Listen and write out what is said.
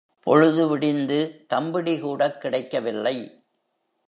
பொழுது விடிந்து தம்பிடி கூடக் கிடைக்கவில்லை.